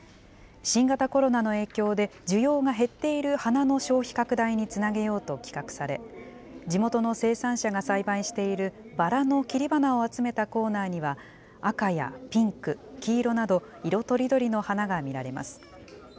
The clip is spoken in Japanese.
新型コロナの影響で需要が減っている花の消費拡大につなげようと企画され、地元の生産者が栽培しているバラの切り花を集めたコーナーには赤やピンク、黄色など、色とりどりの花が見られます。